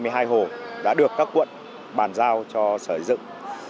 một trăm hai mươi hai hồ đã được các quận bàn giao cho sở xây dựng